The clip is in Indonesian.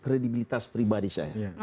kredibilitas pribadi saya